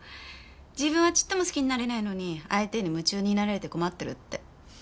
自分はちっとも好きになれないのに相手に夢中になられて困ってるって。